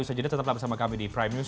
usai jeda tetap bersama kami di prime news